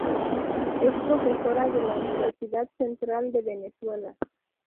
Es profesora de la Universidad Central de Venezuela.